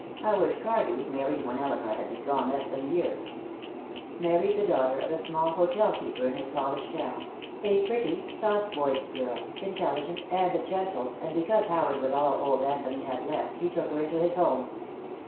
Howard Cardew married when Elinor had been gone less than a year. Married the daughter of a small hotel keeper in his college town, a pretty, soft voiced girl, intelligent and gentle, and because Howard was all old Anthony had left, he took her into his home.